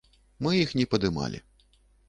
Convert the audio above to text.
Мы іх не падымалі.